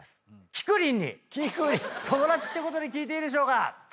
きくりんに友達ってことで聞いていいでしょうか？